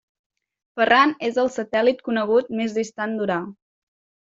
Ferran és el satèl·lit conegut més distant d'Urà.